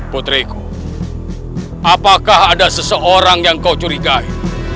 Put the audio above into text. putriku apakah ada seseorang yang kau curigai